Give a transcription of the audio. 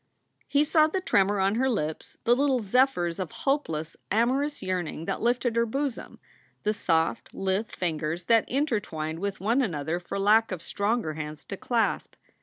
He saw the tremor SOULS FOR SALE 31 on her lips, the little zephyrs of hopeless amorous yearning that lifted her bosom, the soft, lithe fingers that intertwined with one another for lack of stronger hands to clasp.